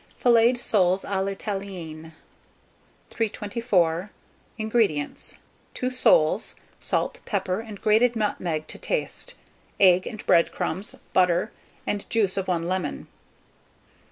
FILLETED SOLES A L'ITALIENNE. 324. INGREDIENTS. 2 soles; salt, pepper, and grated nutmeg to taste; egg and bread crumbs, butter, the juice of 1 lemon.